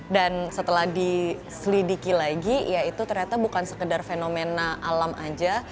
dan setelah diselidiki lagi ya itu ternyata bukan sekedar fenomena alam aja